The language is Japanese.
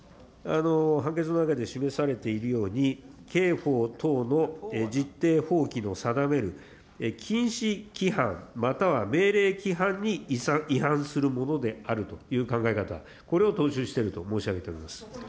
判決の中で示されているように、刑法等の実定法規の定める禁止規範または命令規範に違反するものであるという考え方、これを踏襲していると申し上げております。